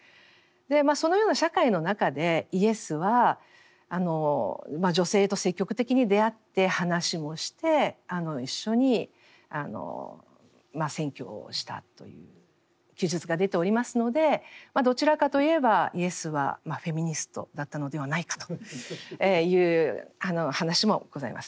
そのような社会の中でイエスは女性と積極的に出会って話もして一緒に宣教したという記述が出ておりますのでどちらかといえばイエスはフェミニストだったのではないかという話もございます。